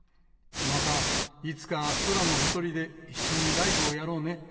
また、いつか空のほとりで一緒にライブをやろうね。